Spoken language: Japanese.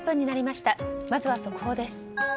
まずは速報です。